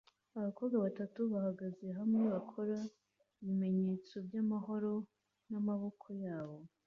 Abakobwa batatu bahagaze hamwe bakora ibimenyetso byamahoro n'amaboko yabo